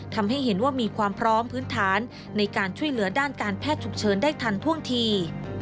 ทำให้เห็นว่ามีความพร้อมพื้นฐานในการช่วยเหลือด้านการแพทย์ฉุกเฉินได้ทันท่วงที